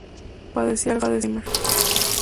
Padecía Alzheimer.